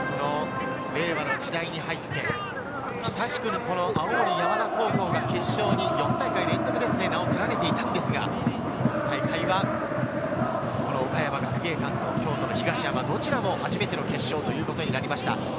令和の時代に入って、久しく青森山田高校が決勝に４大会連続で名を連ねていたんですが、今大会はこの岡山学芸館と京都の東山、どちらも初めての決勝ということになりました。